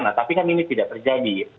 nah tapi kan ini tidak terjadi